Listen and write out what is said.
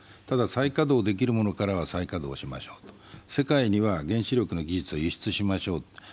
ただ、再稼働できるものからは再稼働しましょう、世界には原子力の技術は輸出しましょうと。